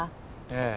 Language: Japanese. ええ。